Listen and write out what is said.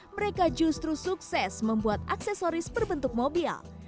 mereka justru sukses membuat aksesoris berbentuk mobil